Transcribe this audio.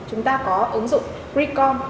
chúng ta có ứng dụng recon